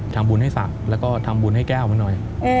ทำบุญให้ศักดิ์แล้วก็ทำบุญให้แก้วมาหน่อย